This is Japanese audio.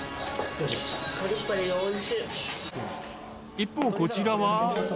一方、こちらは。